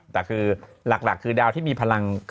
แต่คือหลักคือดาวที่มีพลัง